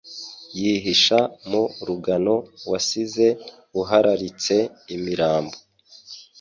Yihisha mu rugano wasize uhararitse imirambo